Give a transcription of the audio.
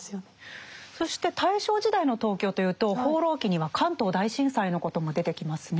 そして大正時代の東京というと「放浪記」には関東大震災のことも出てきますね。